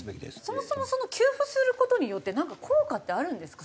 そもそも給付する事によってなんか効果ってあるんですか？